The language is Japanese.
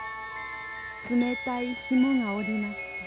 冷たい霜が降りました